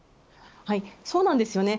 そうなんですよね。